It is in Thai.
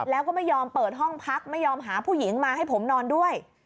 แล้วก็ไม่ยอมเปิดห้องพักไม่ยอมหาผู้หญิงมาให้ผมนอนด้วย